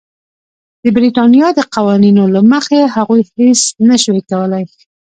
د برېټانیا د قوانینو له مخې هغوی هېڅ نه شوای کولای.